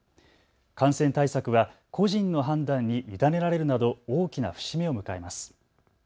感染対策は個人の判断に委ねられるなど大きな節目を迎えます。